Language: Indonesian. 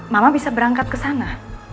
mama bisa berangkat ke sana